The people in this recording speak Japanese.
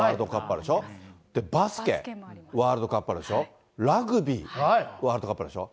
あるでしょ、バスケ、ワールドカップあるでしょ、ラグビー、ワールドカップあるでしょ。